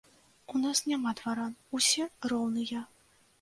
У нас няма дваран, усе роўныя!